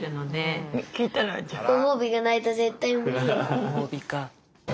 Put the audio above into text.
ご褒美か。